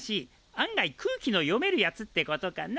案外空気の読めるやつってことかな。